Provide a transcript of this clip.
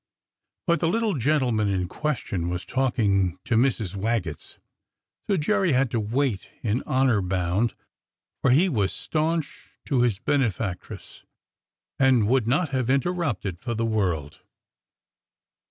But the little gentle man in question was talking to Mrs. Waggetts, so Jerry had to wait in honour bound, for he was staunch to his benefactress, and would not have interrupted for the world.